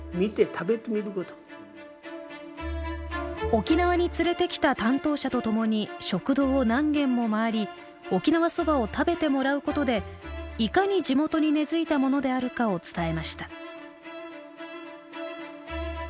沖縄に連れてきた担当者と共に食堂を何軒も回り沖縄そばを食べてもらうことでいかに地元に根づいたものであるかを伝えました。